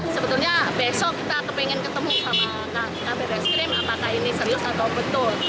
sebetulnya besok kita ingin ketemu sama kabar reskrim apakah ini serius atau betul